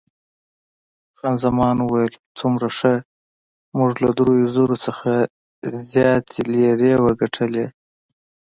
خان زمان وویل، څومره ښه، موږ له دریو زرو څخه زیاتې لیرې وګټلې.